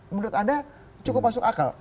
menurut anda cukup masuk akal